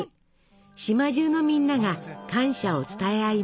島中のみんなが感謝を伝え合います。